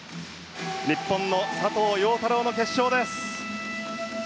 日本の佐藤陽太郎の決勝です。